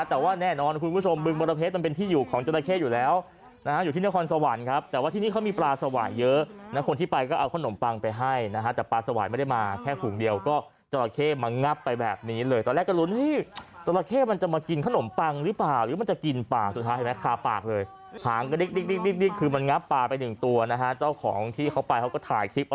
น้ำปังน้ำปังน้ำปังน้ำปังน้ำปังน้ำปังน้ำปังน้ำปังน้ำปังน้ำปังน้ำปังน้ำปังน้ำปังน้ำปังน้ำปังน้ำปังน้ำปังน้ำปังน้ำปังน้ำปังน้ำปังน้ำปังน้ำปังน้ำปังน้ำปั